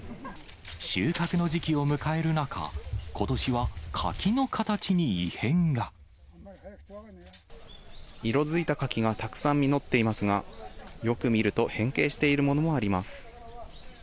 収穫の時期を迎える中、色づいた柿がたくさん実っていますが、よく見ると、変形しているものもあります。